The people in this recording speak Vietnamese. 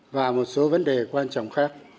và một số vấn đề quan trọng khác